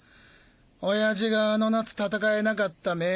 親父があの夏戦えなかった明